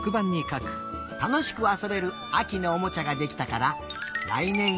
たのしくあそべるあきのおもちゃができたかららいねん